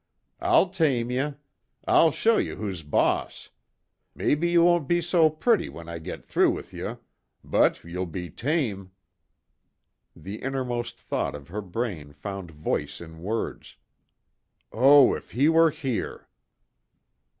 I'll tame ye! I'll show ye who's boss! Mebbe you won't be so pretty when I git through with ye but ye'll be tame!" The innermost thought of her brain found voice in words, "Oh, if he were here!"